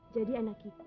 jadi anak kita